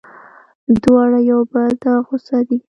دواړه یو بل ته غوسه دي.